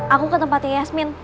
aku ke tempatnya yasmin